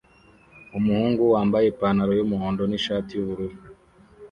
Umuhungu wambaye ipantaro yumuhondo nishati yubururu